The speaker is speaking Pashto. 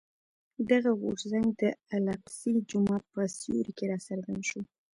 دغه غورځنګ د الاقصی جومات په سیوري کې راڅرګند شو.